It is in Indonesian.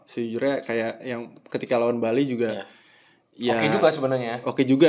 sejujurnya kayak ketika lawan bali juga oke juga